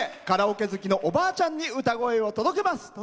カラオケ好きのおばあちゃんに歌声を届けます。